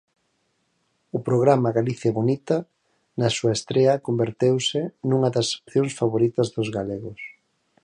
O programa Galiciabonita, na súa estrea, converteuse nunha das opcións favoritas dos galegos.